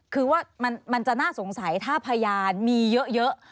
คือว่ามันจะน่าสงสัยถ้าพยานมีเยอะ